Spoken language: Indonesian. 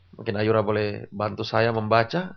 mungkin ayura boleh bantu saya membaca